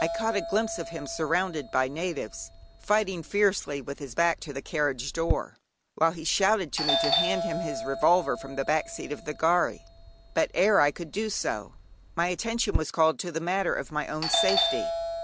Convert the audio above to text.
I caught a glimpse of him surrounded by natives, fighting fiercely with his back to the carriage door, while he shouted to me to hand him his revolver from the back seat of the gharry. But ere I could do so, my attention was called to the matter of my own safety.